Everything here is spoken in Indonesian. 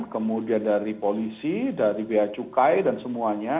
kemudian dari polisi dari bacukai dan semuanya